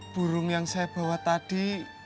burung yang saya bawa tadi